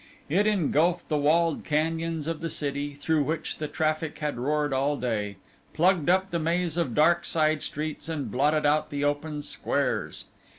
It engulfed the walled canyons of the city, through which the traffic had roared all day, plugged up the maze of dark side streets, and blotted out the open squares.